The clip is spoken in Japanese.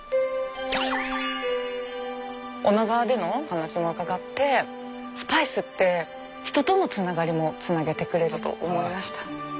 女川での話も伺ってスパイスって人とのつながりもつなげてくれると思いました。